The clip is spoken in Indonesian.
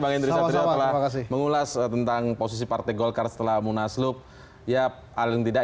bang indri satria telah mengulas tentang posisi partai golkar setelah munasluk ya aling tidak